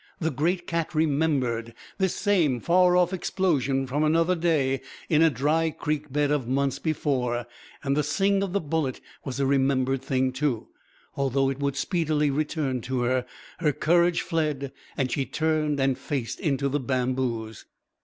The great cat remembered this same far off explosion from another day, in a dry creek bed of months before, and the sing of the bullet was a remembered thing, too. Although it would speedily return to her, her courage fled and she turned and faced into the bamboos.